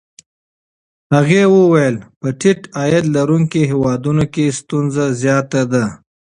هغې وویل په ټیټ عاید لرونکو هېوادونو کې ستونزه زیاته ده.